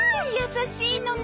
優しいのね！